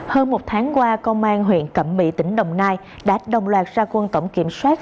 hơn một tháng qua công an huyện cẩm mỹ tỉnh đồng nai đã đồng loạt ra quân tổng kiểm soát